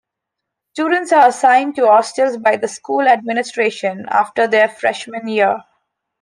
Students are assigned to hostels by the school administration after their freshmen year.